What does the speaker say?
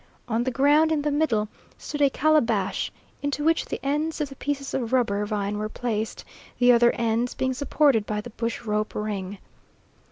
On the ground in the middle stood a calabash, into which the ends of the pieces of rubber vine were placed, the other ends being supported by the bush rope ring.